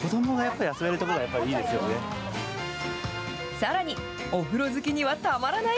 さらにお風呂好きにはたまらない